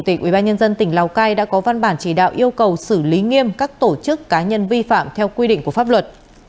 tỉnh lào cai đã có văn bản chỉ đạo yêu cầu xử lý nghiêm các tổ chức cá nhân vi phạm theo quy định của pháp luật